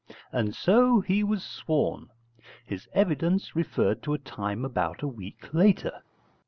And so he was sworn. His evidence referred to a time about a week later.